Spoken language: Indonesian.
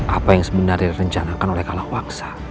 apa yang sebenarnya direncanakan oleh kalah paksa